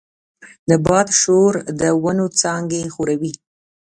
د باد شور د ونو څانګې ښوروي.